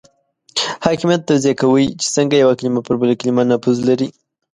حاکمیت توضیح کوي چې څنګه یو کلمه پر بل کلمه نفوذ لري.